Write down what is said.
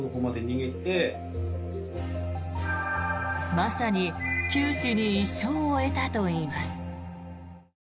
まさに九死に一生を得たといいます。